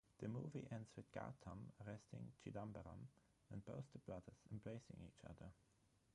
The movie ends with Gautham arresting Chidambaram and both the brothers embracing each other.